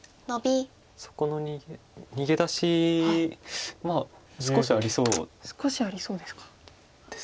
そこの逃げ出しまあ少しありそうです。